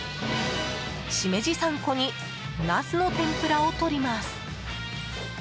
シメジ３個にナスの天ぷらを取ります。